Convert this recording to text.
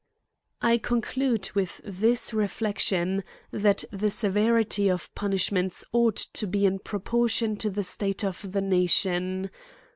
I CONCLUDE with this reflection, that the severity of punishments ought to be in proportiou to the state of the nation.